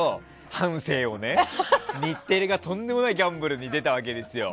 半生をね日テレがとんでもないギャンブルに出たわけですよ。